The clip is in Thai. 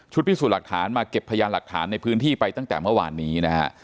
พิสูจน์หลักฐานมาเก็บพยานหลักฐานในพื้นที่ไปตั้งแต่เมื่อวานนี้นะฮะ